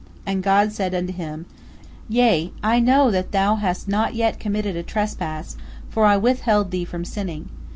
And God said unto him: "Yea, I know that thou hast not yet committed a trespass, for I withheld thee from sinning.